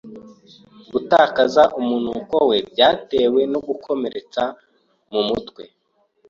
Gutakaza umunuko we byatewe no gukomeretsa mu mutwe.